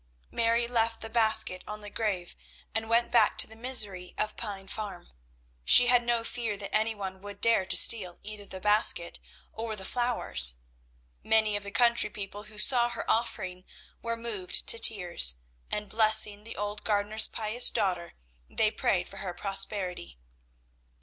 Mary left the basket on the grave, and went back to the misery of Pine Farm. She had no fear that any one would dare to steal either the basket or the flowers. Many of the country people who saw her offering were moved to tears, and, blessing the old gardener's pious daughter, they prayed for her prosperity.